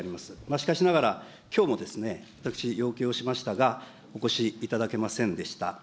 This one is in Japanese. しかしながら、きょうも私、要求をしましたがお越しいただけませんでした。